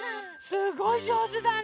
すごいじょうずだね！